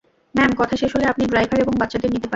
Ma'am, কথা শেষ হলে, আপনি ড্রাইভার এবং বাচ্চাদের নিতে পারেন।